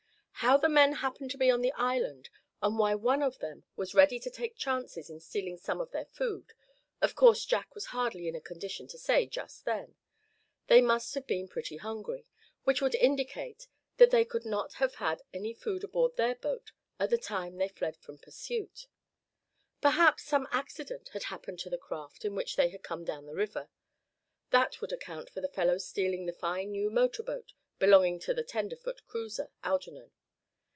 How the men happened to be on the island, and why one of them was ready to take chances in stealing some of their food, of course Jack was hardly in a condition to say just then. They must have been pretty hungry, which would indicate that they could not have had any food aboard their boat at the time they fled from pursuit. Perhaps some accident had happened to the craft in which they had come down the river. That would account for the fellow stealing the fine new motor boat belonging to the tenderfoot cruiser, Algernon.